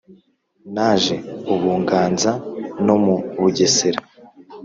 naje u buganza no mu bugesera